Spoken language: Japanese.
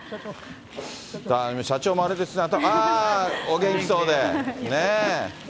社長もあれですね、ああ、お元気そうで、ねえ。